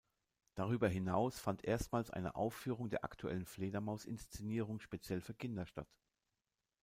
Darüber hinaus fand erstmals eine Aufführung der aktuellen "Fledermaus"-Inszenierung speziell für Kinder statt.